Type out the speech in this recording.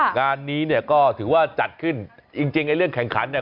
งานนี้เนี่ยก็ถือว่าจัดขึ้นจริงจริงไอ้เรื่องแข่งขันเนี่ย